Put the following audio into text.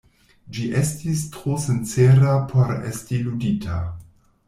Ĝi estis tro sincera por esti ludita.